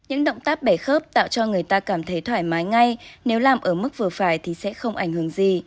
những động tác bẻ khớp tạo cho người ta cảm thấy thoải mái ngay nếu làm ở mức vừa phải thì sẽ không ảnh hưởng gì